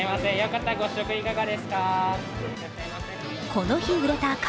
この日売れた×